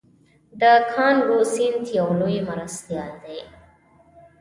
د کانګو سیند یو لوی مرستیال دی.